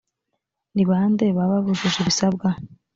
ni ba nde baba bujuje ibisabwa